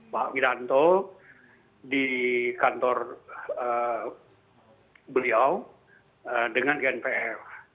pak wiranto di kantor beliau dengan gnpf